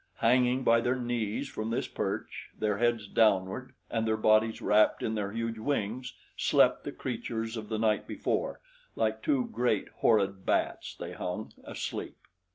Hanging by their knees from this perch, their heads downward and their bodies wrapped in their huge wings, slept the creatures of the night before like two great, horrid bats they hung, asleep.